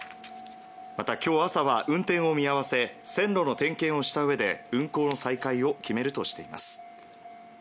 また今日朝は運転を見合わせ線路の点検をしたうえで運行の再開を決めるとしています。